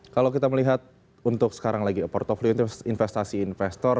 kalau kita melihat untuk sekarang lagi portfolio itu investasi investor